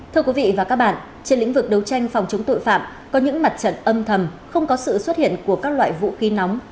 thưa quý vị và các bạn trên lĩnh vực đấu tranh phòng chống tội phạm có những mặt trận âm thầm không có sự xuất hiện của các loại vũ khí nóng